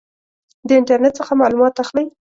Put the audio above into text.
د انټرنټ څخه معلومات اخلئ؟